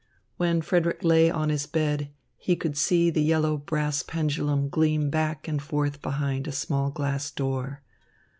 When Frederick lay on his bed, he could see the yellow brass pendulum gleam back and forth behind a small glass door.